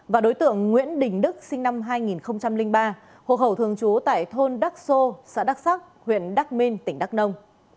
và đối tượng nguyễn đình đức sinh năm hai nghìn ba hồ khẩu thường trú tại thôn đắc sô xã đắc sắc huyện đắc minh tỉnh đắk nông